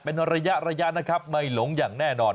เป็นระยะระยะนะครับไม่หลงอย่างแน่นอน